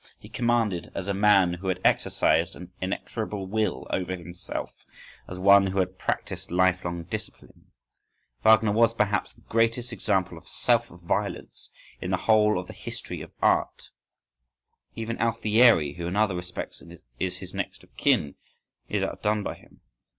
He commanded as a man who had exercised an inexorable will over himself—as one who had practised lifelong discipline: Wagner was, perhaps, the greatest example of self violence in the whole of the history of art (—even Alfieri, who in other respects is his next of kin, is outdone by him.